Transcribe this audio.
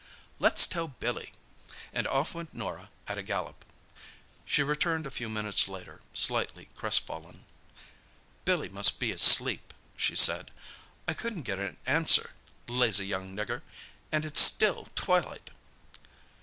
"Let's tell Billy!"—and off went Norah at a gallop. She returned a few minutes later, slightly crestfallen. "Billy must be asleep," she said. "I couldn't get an answer. Lazy young nigger—and it's still twilight!"